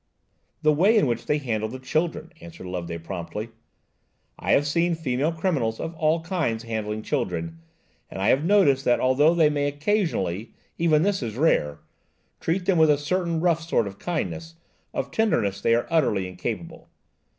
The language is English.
"The way in which they handled the children," answered Loveday promptly. "I have seen female criminals of all kinds handling children, and I have noticed that although they may occasionally–even this is rare–treat them with a certain rough sort of kindness, of tenderness they are utterly incapable.